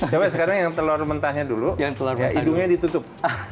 coba sekarang yang telur mentahnya dulu hidungnya ditutup